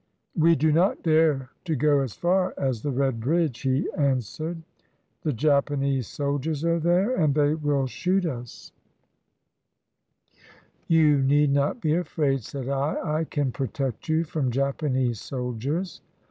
"We do not dare to go as far as the Red Bridge," he answered; "the Japanese soldiers are there, and they will shoot us." 242 THE ADVENTURES OF YAO CHEN YUAN "You need not be afraid," said I, "I can protect you from Japanese soldiers."